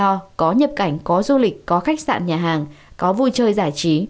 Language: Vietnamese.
có sự do có nhập cảnh có du lịch có khách sạn nhà hàng có vui chơi giải trí